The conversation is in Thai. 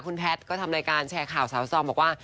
คุณแพทย์ก็ทำรายการแชร์ข่าวสาวซอมบอกว่า